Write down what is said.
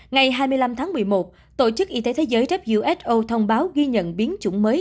ngày hai mươi năm tháng một mươi một tổ chức y tế thế giới who thông báo ghi nhận biến chủng mới